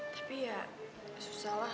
tapi ya susah lah